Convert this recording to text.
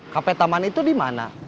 kape taman itu di mana